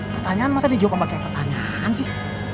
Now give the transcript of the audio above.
pertanyaan masa dijawab memakai pertanyaan sih